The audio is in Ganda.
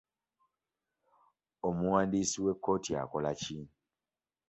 Omuwandiisi w'ekkooti akola ki?